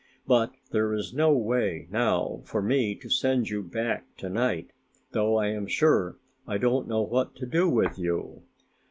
But there is no way now for me to send you back to night, though I am sure I don't know what to do with you.